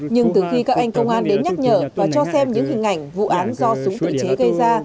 nhưng từ khi các anh công an đến nhắc nhở và cho xem những hình ảnh vụ án do súng tự chế gây ra